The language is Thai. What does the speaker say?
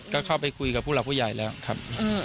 ก็เข้าไปคุยกับผู้หลักผู้ใหญ่แล้วครับ